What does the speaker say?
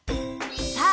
さあ